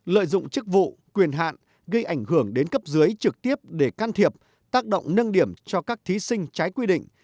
lợi dụng chức vụ quyền hạn gây ảnh hưởng đến cấp dưới trực tiếp để can thiệp tác động nâng điểm cho các thí sinh trái quy định